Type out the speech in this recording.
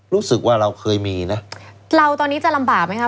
รู้สึกว่าเราเคยมีนะเราตอนนี้จะลำบากไหมคะ